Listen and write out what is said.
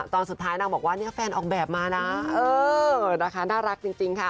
ตอนสุดท้ายนักบอกว่าแฟนออกแบบมานะน่ารักจริงค่ะ